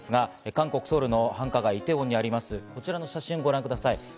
韓国・ソウルの繁華街・イテウォンにあります、こちらの写真をご覧ください。